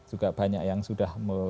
juga banyak yang sudah